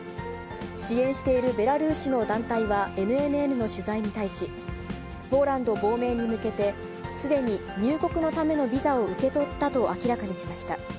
支援しているベラルーシの団体はＮＮＮの取材に対し、ポーランド亡命に向けて、すでに入国のためのビザを受け取ったと明らかにしました。